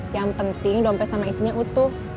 yang penting dompet sama isinya utuh